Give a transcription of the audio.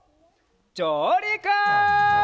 じょうりく！